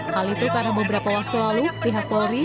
hal itu karena beberapa waktu lalu pihak polri